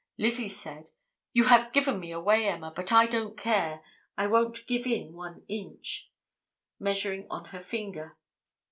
Lizzie said: 'You have given me away, Emma, but I don't care, I won't give in one inch,' measuring on her finger.